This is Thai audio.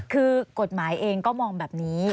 คือกฎหมายเองก็มองแบบนี้